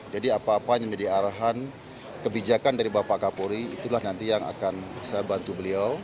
jadi apa apa yang diarahkan kebijakan dari bapak kapolri itulah nanti yang akan saya bantu beliau